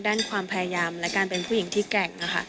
ด้านความพยายามและการเป็นผู้หญิงที่แกร่ง